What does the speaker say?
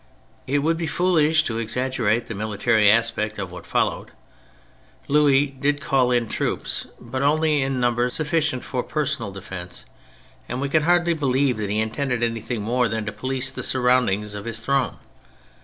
It would be foolish to exaggerate the military aspect of what followed. Louis did call in troops, but only in numbers suffi cient for personal defence, and we can hardly believe that he intended anything more than to police the surroundings of his throne.